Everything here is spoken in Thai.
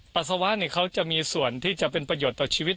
ปัสสาวะเขาจะมีส่วนที่จะเป็นประโยชน์ต่อชีวิต